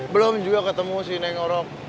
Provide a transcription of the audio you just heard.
belum juga ketemu si neng orok